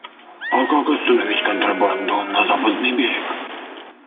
А как остановить контрабанду на Западный берег?